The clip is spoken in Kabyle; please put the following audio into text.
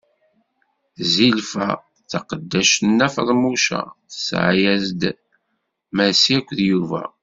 Zilfa, taqeddact n Nna Feḍmuca, tesɛa-as-d: Massi akked Yuba.